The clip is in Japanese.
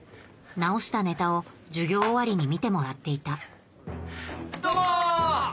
直したネタを授業終わりに見てもらっていたどうも！